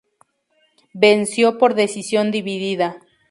Venció por decisión dividida.